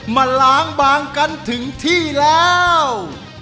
มาล้างบางกันถึงที่แล้ว